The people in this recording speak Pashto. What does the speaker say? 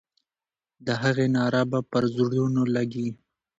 د هغې ناره به پر زړونو لګي.